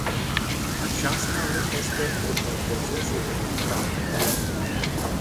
Aceasta nu este o opoziție democrată.